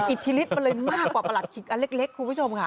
อิทธิฤทธิมันเลยมากกว่าประหลัดขิกอันเล็กคุณผู้ชมค่ะ